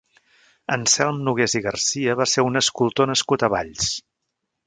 Anselm Nogués i Garcia va ser un escultor nascut a Valls.